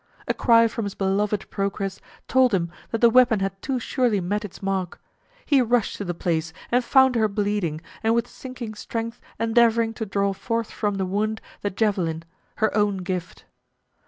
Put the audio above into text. A cry from his beloved Procris told him that the weapon had too surely met its mark. He rushed to the place, and found her bleeding, and with sinking strength endeavoring to draw forth from the wound the javelin, her own gift.